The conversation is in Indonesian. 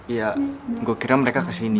ya gue kira mereka kesini